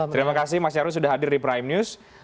terima kasih mas nyarwi sudah hadir di prime news